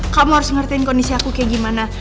kamu harus ngerin kondisi aku kayak gimana